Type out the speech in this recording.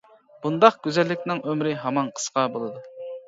بۇنداق گۈزەللىكنىڭ ئۆمرى ھامان قىسقا بولىدۇ.